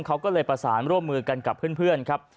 เขาก็เลยประสานร่วมมือกันกับเพื่อนครับ